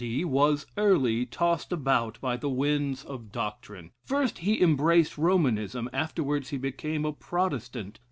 D., was early tossed about by the winds of doctrine. First he embraced Romanism: afterwards he became a Protestant.